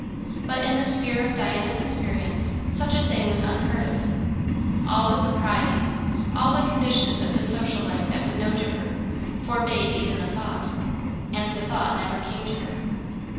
But in the sphere of Diana's experience, such a thing was unheard of. All the proprieties, all the conditions of the social life that was known to her, forbade even the thought; and the thought never came to her.